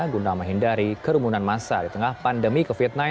guna menghindari kerumunan masa di tengah pandemi covid sembilan belas